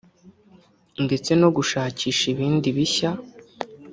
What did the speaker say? ndetse no gushakisha ibindi bishya